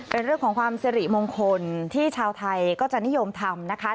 เป็นเรื่องของความสิริมงคลที่ชาวไทยก็จะนิยมทำนะคะ